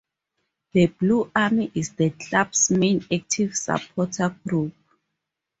The Blue Army is the club's main active supporter group.